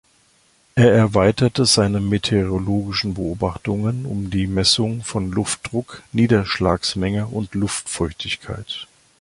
Er erweiterte seine meteorologischen Beobachtungen um die Messung von Luftdruck, Niederschlagsmenge und Luftfeuchtigkeit.